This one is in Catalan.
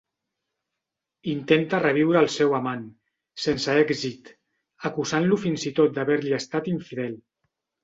Intenta reviure el seu amant, sense èxit, acusant-lo fins i tot d'haver-li estat infidel.